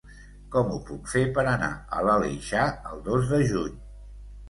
Com ho puc fer per anar a l'Aleixar el dos de juny?